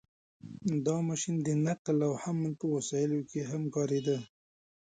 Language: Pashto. • دا ماشین د نقل او حمل په وسایلو کې هم کارېده.